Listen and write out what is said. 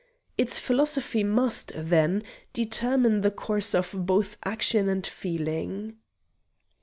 Its philosophy must, then, determine the course of both action and feeling.